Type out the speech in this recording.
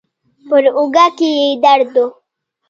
پر اوږه کې يې درد و.